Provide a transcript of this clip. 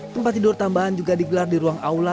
tempat tidur tambahan juga digelar di ruang aula